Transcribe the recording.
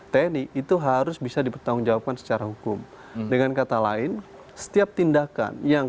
tni itu harus bisa dipertanggungjawabkan secara hukum dengan kata lain setiap tindakan yang